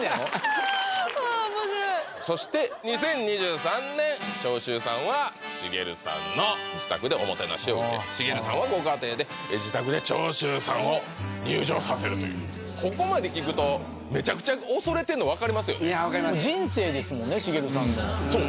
あ面白いそして２０２３年長州さんは茂さんはご家庭で自宅で長州さんを入場させるというここまで聞くとめちゃくちゃ恐れてんの分かりますよねいや分かります人生ですもんね茂さんのそう！